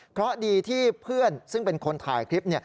เพราะดีที่เพื่อนซึ่งเป็นคนถ่ายคลิป